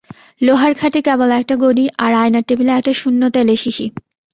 লোহার খাটে কেবল একটা গদি, আর আয়নার টেবিলে একটা শূন্য তেলের শিশি।